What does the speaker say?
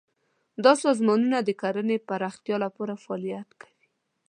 دا سازمانونه د کرنې پراختیا لپاره فعالیت کوي.